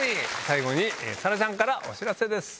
最後に沙良ちゃんからお知らせです。